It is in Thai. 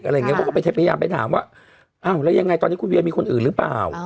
เขาก็ไปพยายามไปถามว่าอ้าวแล้วยังไงตอนนี้คุณเวียมีคนอื่นหรือเปล่า